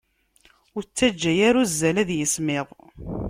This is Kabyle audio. Ur ttaǧǧa ara uzzal ad yismiḍ!